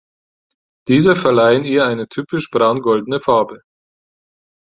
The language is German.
Diese verleihen ihr eine typisch braun-goldene Farbe.